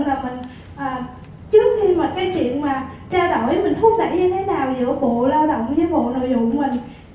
trước khi mà cái chuyện mà trao đổi mình thúc đẩy như thế nào giữa bộ lao động với bộ nội dụng mình